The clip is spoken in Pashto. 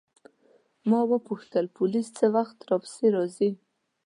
ما وپوښتل پولیس څه وخت راپسې راځي.